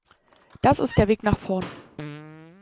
Das ist der Weg nach vorn.